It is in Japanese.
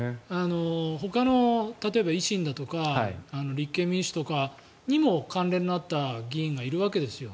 ほかの、例えば維新だとか立憲民主とかにも関連のあった議員がいるわけですよ。